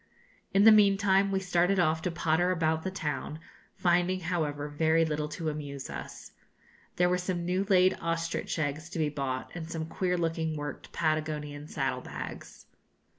In the meantime we started off to potter about the town, finding, however, very little to amuse us. There were some new laid ostrich eggs to be bought, and some queer looking worked Patagonian saddle bags.